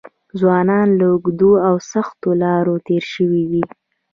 ځوانان له اوږدو او سختو لارو تېر شوي دي.